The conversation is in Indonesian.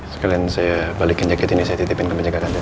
sekalian saya balikin jaket ini saya titipin ke penjaga kantor